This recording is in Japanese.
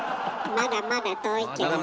まだまだ遠いね。